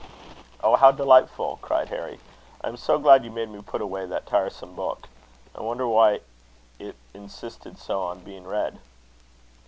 "Oh, how delightful!" cried Harry. "I am so glad you made me put away that tiresome book. I wonder why it insisted so on being read."